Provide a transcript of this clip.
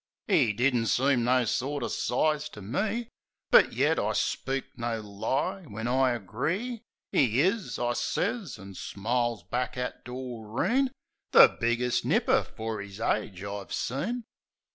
'E didn't seem no sorter size to me; But yet, I speak no lie when I agree ;" 'E is," I sez, an' smiles back at Doreen, "The biggest nipper fer 'is age I've seen."